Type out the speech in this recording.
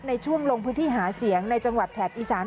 ในช่วงลงพื้นที่หาเสียงในจังหวัดแถบอีสาน